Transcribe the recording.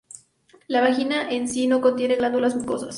La vagina en sí no contiene glándulas mucosas.